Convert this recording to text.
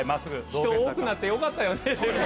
人多くなってよかったよね。